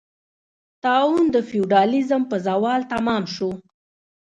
طاعون د فیوډالېزم په زوال تمام شو.